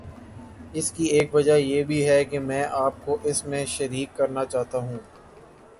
اس کی ایک وجہ یہ بھی ہے کہ میں آپ کو اس میں شریک کرنا چاہتا ہوں۔